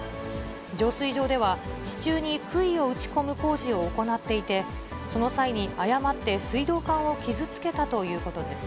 浄水場では、地中にくいを打ち込む工事を行っていて、その際に誤って水道管を傷つけたということです。